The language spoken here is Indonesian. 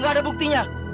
gak ada buktinya